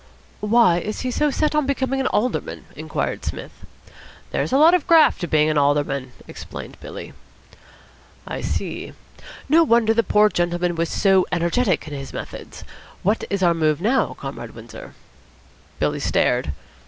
"Why is he so set on becoming an Alderman," inquired Psmith. "There's a lot of graft to being an Alderman," explained Billy. "I see. No wonder the poor gentleman was so energetic in his methods. What is our move now, Comrade Windsor?" Billy stared.